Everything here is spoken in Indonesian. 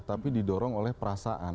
tapi didorong oleh perasaan